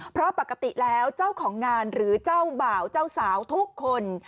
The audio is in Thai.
เพราะปกติแล้วเจ้าของงานหรือเจ้าบ่าวเจ้าสาวทุกคน